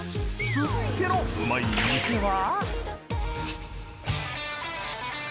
続いてのうまい店は。